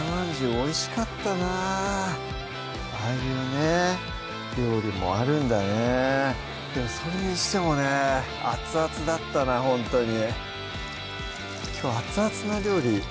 おいしかったなああいうね料理もあるんだねでもそれにしてもね熱々だったなほんとにきょう熱々な料理